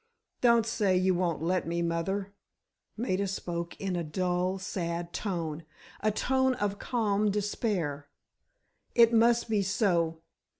"Don't say you won't let me, mother," Maida spoke in a dull, sad tone—a tone of calm despair. "It must be so.